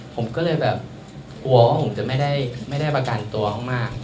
ผมก็เลยแบบกลัวว่าผมจะไม่ได้ประกันตัวมาก